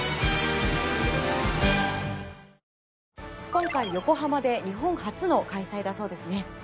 今回横浜で日本初の開催だそうですね。